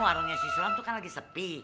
warungnya si suram kan lagi sepi